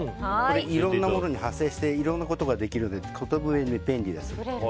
いろんなものに派生していろんなことができるので便利です。